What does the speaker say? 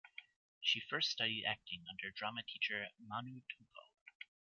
She first studied acting under drama teacher Manu Tupou.